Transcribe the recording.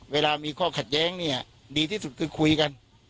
เวลามีข้อขัดแย้งเนี่ยดีที่สุดคือคุยกัน